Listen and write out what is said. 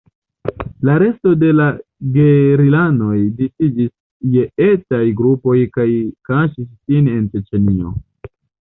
La resto de la gerilanoj disiĝis je etaj grupoj kaj kaŝis sin en Ĉeĉenio.